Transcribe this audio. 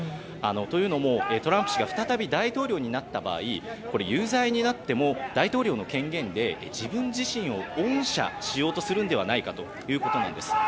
というのも、トランプ氏が再び大統領になった場合有罪になっても大統領の権限で自分自身を恩赦しようとするのではないかということなんです。